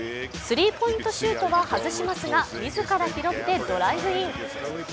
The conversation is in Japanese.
スリーポイントシュートは外しますが自ら拾ってドライブイン。